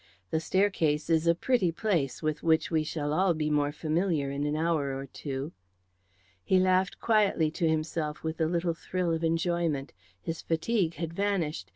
The staircase is a pretty place with which we shall all be more familiar in an hour or two." He laughed quietly to himself with a little thrill of enjoyment. His fatigue had vanished.